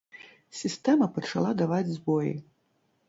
Сістэма пачала даваць збоі.